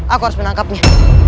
aku harus menangkapnya